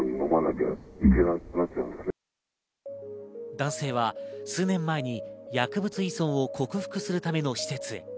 男性は数年前に薬物依存を克服するための施設へ。